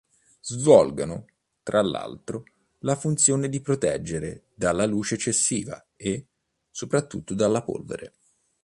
Svolgono, tra l'altro, la funzione di proteggere dalla luce eccessiva e, soprattutto, dalla polvere.